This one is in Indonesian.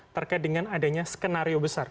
terkait dengan adanya skenario besar